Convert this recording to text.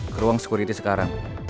ke ruang security sekarang